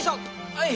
はい！